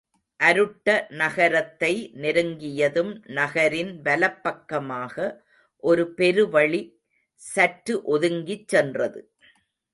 அருட்ட நகரத்தை நெருங்கியதும் நகரின் வலப் பக்கமாக ஒரு பெருவழி சற்று ஒதுங்கிச் சென்றது.